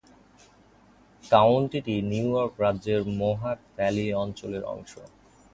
কাউন্টিটি New York রাজ্যের Mohawk Valley অঞ্চলের অংশ।